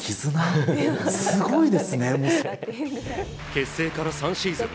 結成から３シーズン。